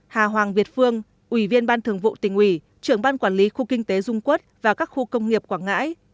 hà hoàng việt phương ủy viên ban thường vụ tỉnh ủy trưởng ban quản lý khu kinh tế dung quốc và các khu công nghiệp quảng ngãi